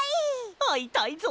あいたいぞ！